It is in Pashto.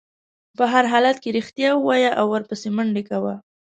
په هر حالت کې رښتیا ووایه او ورپسې منډه کوه.